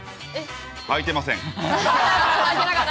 はいてません！